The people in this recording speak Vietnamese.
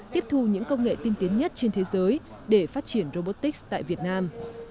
tiếp thu những công nghệ tiên tiến nhất trên thế giới để phát triển robotics tại việt nam